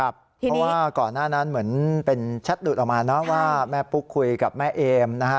เพราะว่าก่อนหน้านั้นเหมือนเป็นแชทหลุดออกมานะว่าแม่ปุ๊กคุยกับแม่เอมนะฮะ